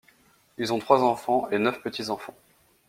Ils ont trois enfants et neuf petits-enfants.